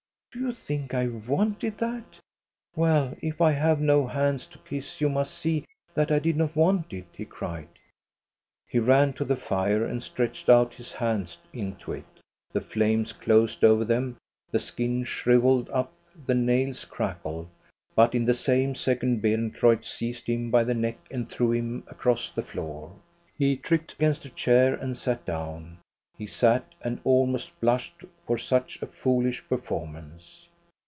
Do you think I wanted that? Well, if I have no hands to kiss, you must see that I did not want it," he cried. He ran to the fire and stretched out his hands into 196 THE STORY OF GOSTA BE RUNG it. The flames closed over them, the skin shrivelled up, the nails crackled. But in the same second Beeren creutz seized him by the neck and threw him across the floor. He tripped against a chair and sat down. He sat and almost blushed for such a foolish perform ance.